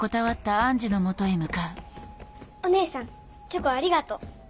お姉さんチョコありがとう。